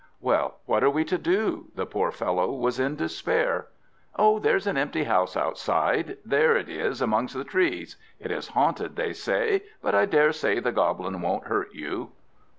"Well, what are we to do?" The poor fellow was in despair. "Oh, there's an empty house outside; there it is among the trees. It is haunted, they say; but I daresay the Goblin won't hurt you."